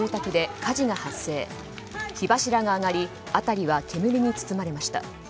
火柱が上がり辺りは煙に包まれました。